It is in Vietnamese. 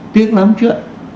tiếc lắm chứ